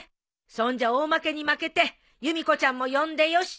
そんじゃ大まけにまけてゆみ子ちゃんも呼んでよし！